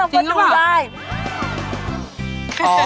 จริงหรือเปล่าว่าดูได้